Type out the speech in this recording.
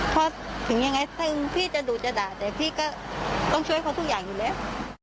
เพราะถึงยังไงซึ่งพี่จะดุจะด่าแต่พี่ก็ต้องช่วยเขาทุกอย่างอยู่แล้ว